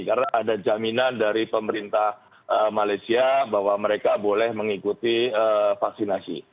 karena ada jaminan dari pemerintah malaysia bahwa mereka boleh mengikuti vaksinasi